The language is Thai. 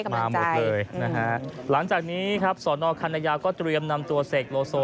มาหมดเลยนะฮะหลังจากนี้ครับสอนอคันนาก็เตรียมนำตัวเสกโลโซ